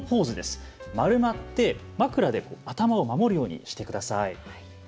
丸まって枕で頭を守るようにしてください。